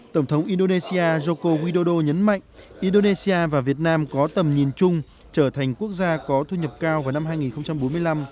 tổng thống indonesia joko widodo nhấn mạnh indonesia và việt nam có tầm nhìn chung trở thành quốc gia có thu nhập cao vào năm hai nghìn bốn mươi năm